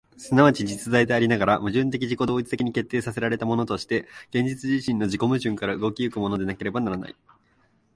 即ち実在でありながら、矛盾的自己同一的に決定せられたものとして、現実自身の自己矛盾から動き行くものでなければならない。